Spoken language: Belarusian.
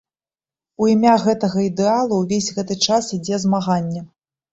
У імя гэтага ідэалу ўвесь гэты час ідзе змаганне.